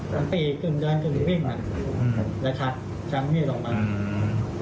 มันปีกกึ่งเดินกึ่งวิ่งและขัดชั้นนี้ออกมา